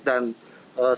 dan secara langsung